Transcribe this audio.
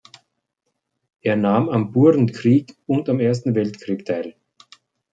Er nahm am Burenkrieg und am Ersten Weltkrieg teil.